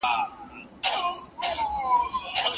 روزل سوي لوڼي به خپل پلار جنت ته داخل کړي.